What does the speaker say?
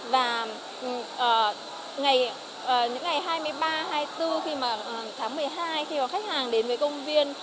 và những ngày hai mươi ba hai mươi bốn tháng một mươi hai khi khách hàng đến với công viên